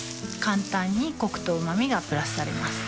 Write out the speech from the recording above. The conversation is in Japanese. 簡単にコクとうま味がプラスされます